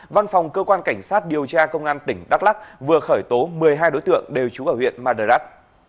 văn phòng cơ quan cảnh sát điều tra công an tỉnh đắk lắc vừa khởi tố một mươi hai đối tượng đều trú ở huyện mờ đà rắc